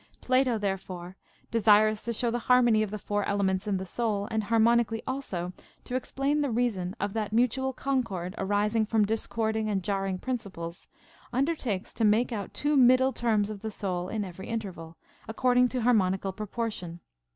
Plato therefore, desirous to show the harmony of the four elements in the soul, and harmonically also to explain the reason of that mutual con cord arising from discording and jarring principles, under takes to make out two middle terms of the soul in every interval, according to harmonical proportion.